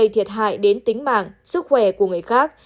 gây thiệt hại đến tính mạng sức khỏe của người khác